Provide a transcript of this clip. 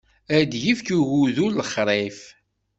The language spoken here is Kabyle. Ad d-yefk ugudu lexṛif.